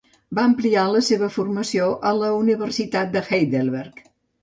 Va ampliar la seva formació a la Universitat de Heidelberg.